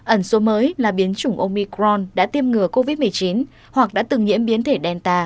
ẩn số mới là biến chủng omicron đã tiêm ngừa covid một mươi chín hoặc đã từng nhiễm biến thể delta